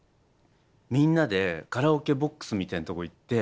みんなでカラオケボックスみたいなとこ行って。